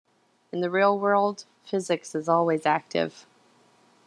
In the real world, physics is always active.